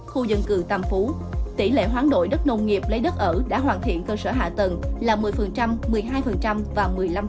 khu dân cư tam phú tỷ lệ hoán đổi đất nông nghiệp lấy đất ở đã hoàn thiện cơ sở hạ tầng là một mươi một mươi hai và một mươi năm